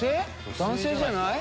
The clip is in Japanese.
男性じゃない？